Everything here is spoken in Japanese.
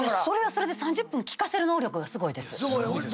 それはそれで３０分聞かせる能力がすごいです。